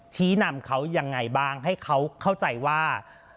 ชี้นำเขายังไงบ้างให้เขาเข้าใจว่า